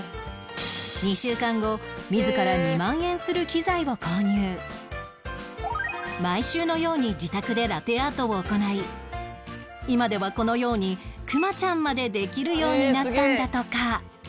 ２週間後自ら毎週のように自宅でラテアートを行い今ではこのようにくまちゃんまでできるようになったんだとか